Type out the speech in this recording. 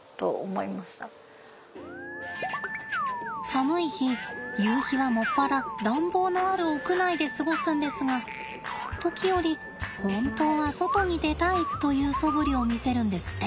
寒い日ゆうひは専ら暖房のある屋内で過ごすんですが時折本当は外に出たいというそぶりを見せるんですって。